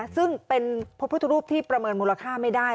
ซึ่งเป็นพระพุทธรูปที่ประเมินมูลค่าไม่ได้